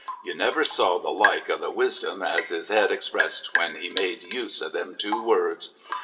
You never saw the like of the wisdom as his Ed expressed, when he made use of them two words.